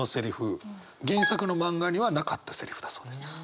原作の漫画にはなかったセリフだそうです。